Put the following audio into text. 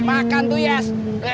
makan tuh yes